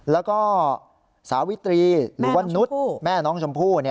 แล้วก็สาวิตรีหรือว่านุษย์แม่น้องชมพู่